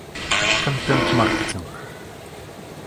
Контент-маркетинг